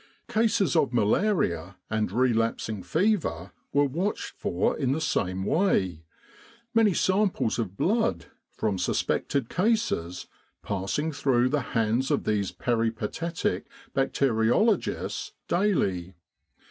Cases of malaria and relapsing fever were watched for in the same way, many samples of blood from suspected cases passing through the hands of these peripatetic bacteriologists daily.